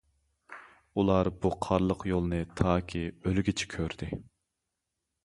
ئۇلار بۇ قارلىق يولنى تاكى ئۆلگۈچە كۆردى.